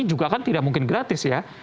juga kan tidak mungkin gratis ya